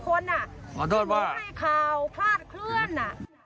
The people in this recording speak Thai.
ขอโทษว่าไม่ได้ให้ข่าวพลาดเคลื่อน